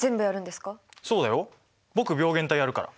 そうだよ僕病原体やるから。